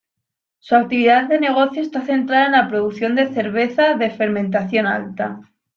Su actividad de negocio está centrada en la producción de cerveza de fermentación alta.